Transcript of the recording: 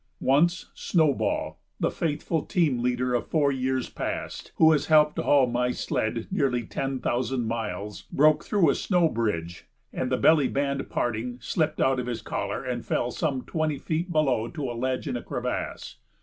Once, "Snowball," the faithful team leader of four years past, who has helped to haul my sled nearly ten thousand miles, broke through a snow bridge and, the belly band parting, slipped out of his collar and fell some twenty feet below to a ledge in a crevasse.